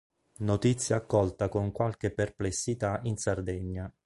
Notizia accolta con qualche perplessità in Sardegna.